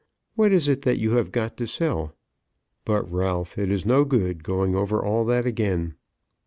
What is it that you have got to sell? But, Ralph, it is no good going over all that again."